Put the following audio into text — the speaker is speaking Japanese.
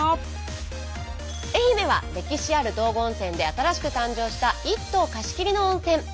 愛媛は歴史ある道後温泉で新しく誕生した一棟貸し切りの温泉。